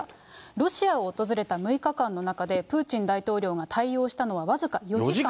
ロシアを訪れた６日間の中でプーチン大統領が対応したのは、僅か４時間。